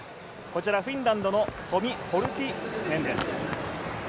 こちらフィンランドのトミ・ホルティネンです。